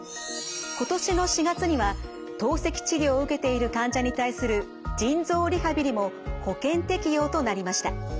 今年の４月には透析治療を受けている患者に対する腎臓リハビリも保険適用となりました。